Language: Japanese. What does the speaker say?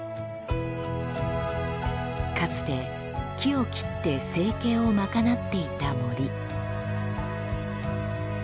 かつて木を切って生計を賄っていた森。